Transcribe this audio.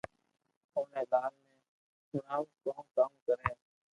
اوني لال ني ھڻاو ڪو ڪاوُ ڪري